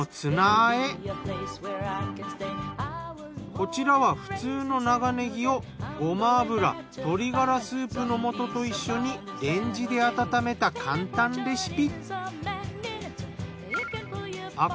こちらは普通の長ねぎをごま油鶏がらスープの素と一緒にレンジで温めた簡単レシピ。